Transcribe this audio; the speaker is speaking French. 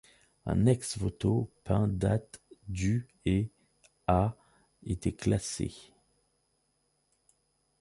Un ex-voto peint date du et a été classé.